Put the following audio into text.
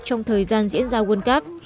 trong thời gian diễn ra world cup